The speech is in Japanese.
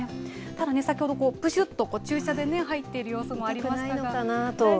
ただ、先ほど、ぷすっと注射で入っている様子もありましたけれども。